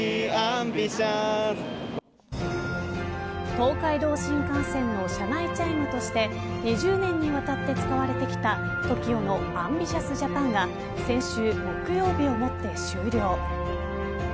東海道新幹線の車内チャイムとして２０年にわたって使われてきたＴＯＫＩＯのＡＭＢＩＴＩＯＵＳＪＡＰＡＮ！が先週木曜日をもって終了。